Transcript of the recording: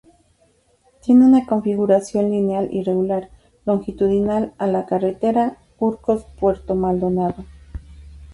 Tiene una configuración lineal irregular, longitudinal a la carretera, Urcos Puerto Maldonado.